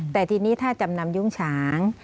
แต่ทีนี้ถ้าจำนำยุ้งฉาง